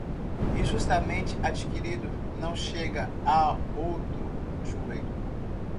Injustamente adquirido não chega a outro joelho.